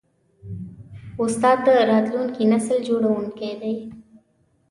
استاد د راتلونکي نسل جوړوونکی دی.